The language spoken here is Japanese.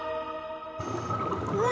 うわ！